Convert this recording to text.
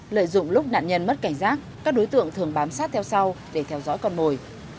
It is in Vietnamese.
lợi dụng lúc nạn nhân mất cảnh giác các đối tượng thường bám sát theo sau để theo dõi con mồi